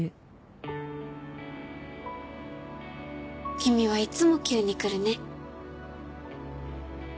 ・君はいつも急に来るね。